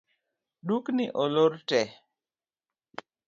Dukni olor tee